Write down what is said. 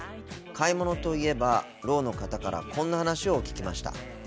買い物といえばろうの方からこんな話を聞きました。